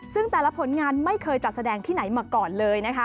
ซึ่งแต่ละผลงานไม่เคยจัดแสดงที่ไหนมาก่อนเลยนะคะ